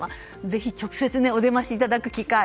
ぜひ直接お出ましいただく機会。